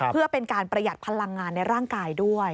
เพื่อเป็นการประหยัดพลังงานในร่างกายด้วย